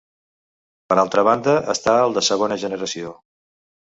Per altra banda està el de segona generació.